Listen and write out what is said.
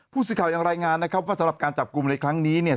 ผู้สื่อข่าวยังรายงานนะครับว่าสำหรับการจับกลุ่มในครั้งนี้เนี่ย